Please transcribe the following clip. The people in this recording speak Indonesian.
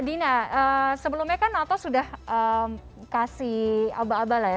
dina sebelumnya kan nato sudah kasih abal abal ya